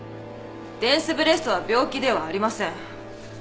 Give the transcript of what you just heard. デンスブレストは病気ではありません。